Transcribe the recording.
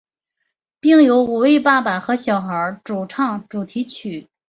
并由五位爸爸和小孩主唱主题曲。